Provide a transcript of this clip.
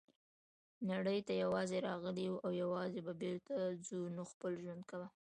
نړۍ ته یوازي راغلي یوو او یوازي به بیرته ځو نو خپل ژوند کوه.